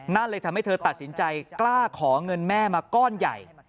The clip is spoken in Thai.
นั่นเลยทำให้เธอตัดสินใจกล้าขอเงินแม่มาก้อนใหญ่